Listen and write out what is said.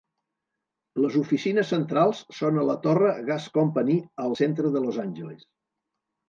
Les oficines centrals són a la torre Gas Company al centre de Los Angeles.